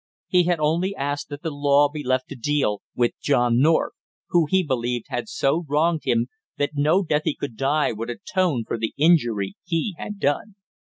He had only asked that the law be left to deal with John North, who, he believed, had so wronged him that no death he could die would atone for the injury he had done.